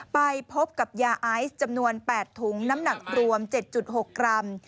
ไปพบกับยาไอซ์จำนวน๘ถุงน้ำหนักรวม๗๖กรัม